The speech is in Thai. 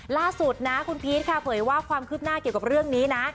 ล่าสุดนะคุณพีชค่ะเผยว่าความคืบหน้าเกี่ยวกับเรื่องนี้นะ